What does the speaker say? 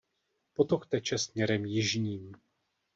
Potok teče směrem jižním.